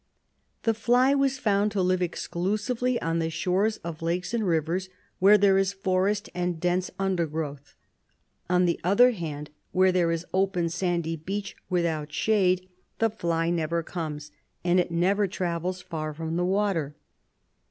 The fly was found to live exclusively on the shores of lakes and rivers where there is forest and dense under growth ; on the other hand, where there is open, sandy beach, without shade, the fly never comes, and it never travels far from the water.